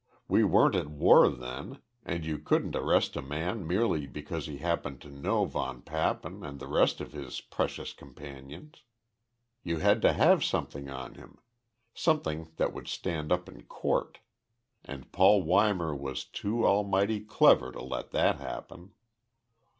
We weren't at war then and you couldn't arrest a man merely because he happened to know von Papen and the rest of his precious companions. You had to have something on him something that would stand up in court and Paul Weimar was too almighty clever to let that happen.